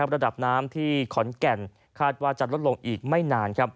ระดับน้ำที่ขอนแก่นคาดว่าจะลดลงอีกไม่นาน